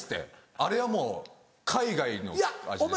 あれはもう海外の味で。